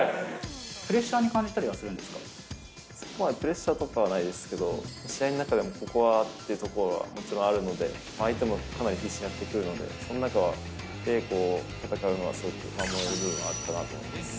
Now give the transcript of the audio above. プレッシャーに感じたりはすプレッシャーとかはないですけど、試合になったら、ここはということは本当にあるので、相手もかなり必死にやってくるので、その中で戦うのは、燃えるのはあったなと思います。